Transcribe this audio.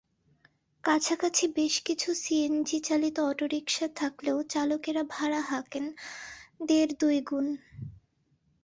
কাছাকাছি বেশ কিছু সিএনজিচালিত অটোরিকশা থাকলেও চালকেরা ভাড়া হাঁকেন দেড়-দুই গুণ।